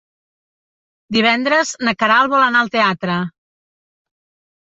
Divendres na Queralt vol anar al teatre.